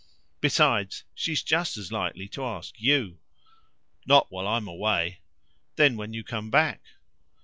"Besides, she's just as likely to ask YOU." "Not while I'm away." "Then when you come back."